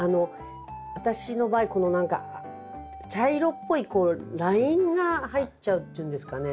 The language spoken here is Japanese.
私の場合この何か茶色っぽいこうラインが入っちゃうっていうんですかね。